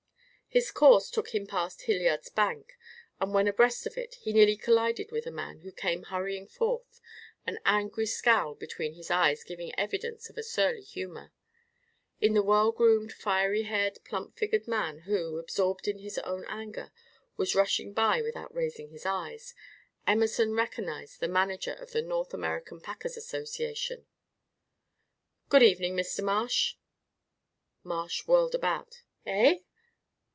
His course took him past Hilliard's bank, and when abreast of it he nearly collided with a man who came hurrying forth, an angry scowl between his eyes giving evidence of a surly humor. In the well groomed, fiery haired, plump figured man who, absorbed in his own anger, was rushing by without raising his eyes, Emerson recognized the manager of the North American Packers' Association. "Good evening, Mr. Marsh." Marsh whirled about. "Eh?